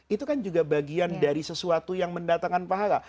itu kan juga bagian dari sesuatu yang mendatangkan pahala